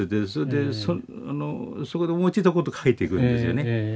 それでそこで思いついたことを書いていくんですよね。